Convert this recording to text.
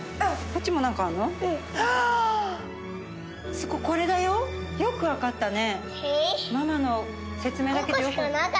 すごいこれだよよく分かったね。